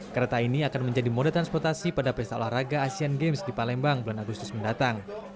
kereta ini akan menjadi moda transportasi pada pesta olahraga asean games di palembang bulan agustus mendatang